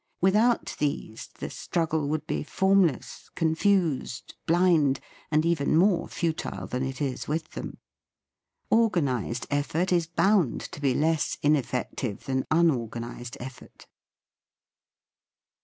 Without these the struggle would be formless, confused, blind and even more futile than it is with them. Or ganised effort is bound to be less inef fective than unorganised effort.